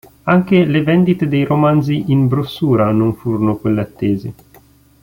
Anche le vendite dei romanzi in brossura non furono quelle attese.